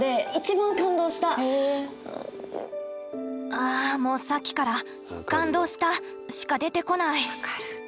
あもうさっきから「感動した」しか出てこない！